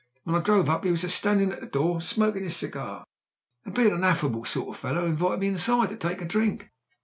When I drove up he was standin' at the door smoking his cigar, an' bein' an affable sort of fellow, invited me inside to take a drink.